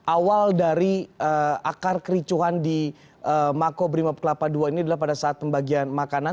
awal dari akar kericuhan di mako brimob kelapa ii ini adalah pada saat pembagian makanan